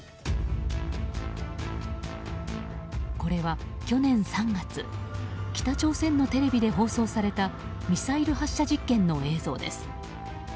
これは、去年３月北朝鮮のテレビで放送されたミサイル発射実験の映像です。